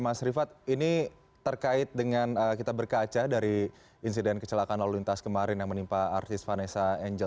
mas rifat ini terkait dengan kita berkaca dari insiden kecelakaan lalu lintas kemarin yang menimpa artis vanessa angel